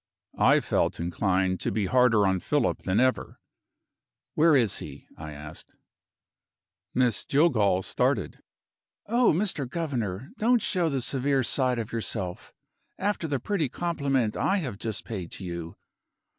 I felt inclined to be harder on Philip than ever. "Where is he?" I asked. Miss Jillgall started. "Oh, Mr. Governor, don't show the severe side of yourself, after the pretty compliment I have just paid to you!